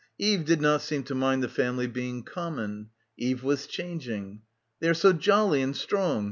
... Eve did not seem to mind the family being common. Eve was changing. "They are so jolly and strong.